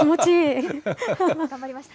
頑張りました。